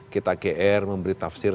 kita gr memberi tafsir